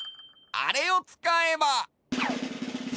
あれをつかえば！